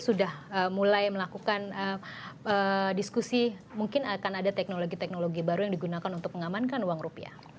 sudah mulai melakukan diskusi mungkin akan ada teknologi teknologi baru yang digunakan untuk mengamankan uang rupiah